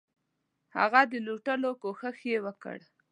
هغه د لوټلو کوښښ یې وکړ.